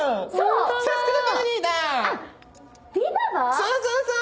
そうそうそう！